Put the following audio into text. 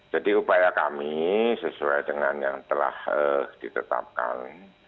jadi upaya kami sesuai dengan yang telah ditetapkan